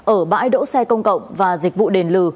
ở bãi đỗ xe công cộng và dịch vụ đền lừ